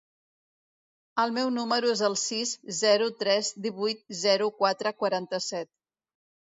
El meu número es el sis, zero, tres, divuit, zero, quatre, quaranta-set.